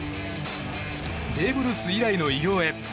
ベーブ・ルース以来の偉業へ。